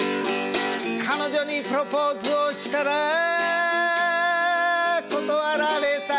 「彼女にプロポーズをしたら断られた」